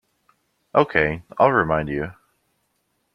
Okay, I'll remind you.